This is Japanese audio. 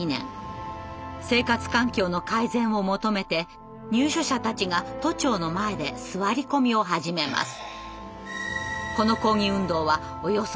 生活環境の改善を求めて入所者たちが都庁の前で座り込みを始めます。